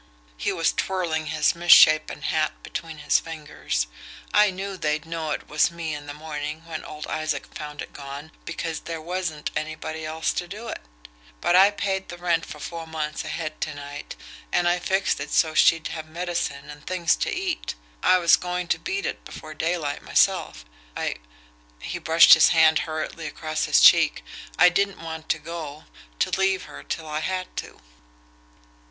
He was twirling his misshappen hat between his fingers. "I knew they'd know it was me in the morning when old Isaac found it gone, because there wasn't anybody else to do it. But I paid the rent for four months ahead to night, and I fixed it so's she'd have medicine and things to eat. I was going to beat it before daylight myself I" he brushed his hand hurriedly across his cheek "I didn't want to go to leave her till I had to."